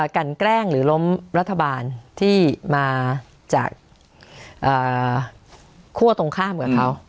กันแกล้งหรือล้มรัฐบาลที่มาจากคั่วตรงข้ามกับเขา